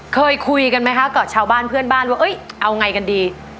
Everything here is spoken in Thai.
เคยคุยกันไหมคะกับชาวบ้านเพื่อนบ้านว่าเอาไงกันดี